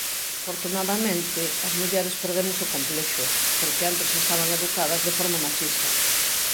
Afortunadamente, as mulleres perdemos o complexo, porque antes xa estaban educadas de forma machista.